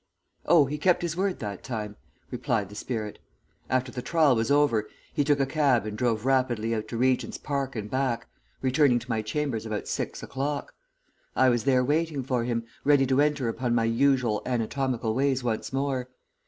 "Oh, he kept his word that time," replied the spirit. "After the trial was over he took a cab and drove rapidly out to Regent's Park and back, returning to my chambers about six o'clock. I was there waiting for him, ready to enter upon my usual anatomical ways once more.